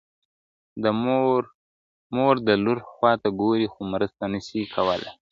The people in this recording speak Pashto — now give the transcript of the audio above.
• مور د لور خواته ګوري خو مرسته نه سي کولای..